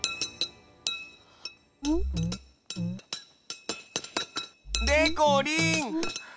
うん？でこりん。